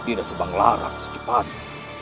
dinda subang lara secepatnya